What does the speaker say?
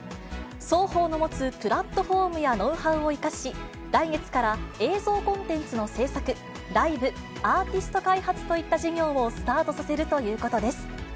双方の持つプラットフォームやノウハウを生かし、来月から映像コンテンツの制作、ライブ、アーティスト開発といった事業をスタートさせるということです。